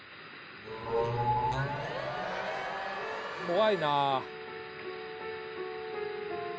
怖いな。